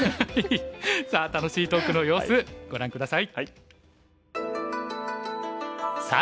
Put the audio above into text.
さあ楽しいトークの様子ご覧下さい。